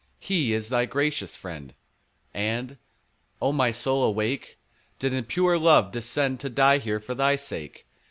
He is thy gracious Friend, And—O my soul, awake!— 10 Did in pure love descend To die here for thy sake.